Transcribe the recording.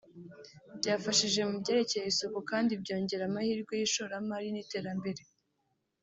byafashije mu byerekeye isuku kandi byongera amahirwe y’ishoramari n’iterambere